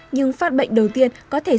nhưng phát bệnh đầu tiên có thể xảy ra